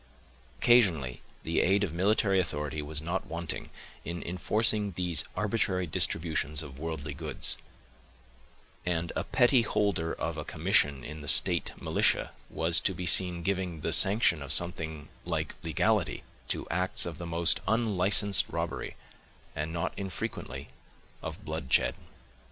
Occasionally, the aid of military authority was not wanting, in enforcing these arbitrary distributions of worldly goods; and a petty holder of a commission in the state militia was to be seen giving the sanction of something like legality to acts of the most unlicensed robbery, and, not infrequently, of bloodshed.